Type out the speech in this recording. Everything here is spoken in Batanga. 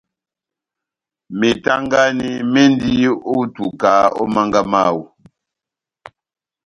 Metangani mendi ó ituka ó mánga mawú.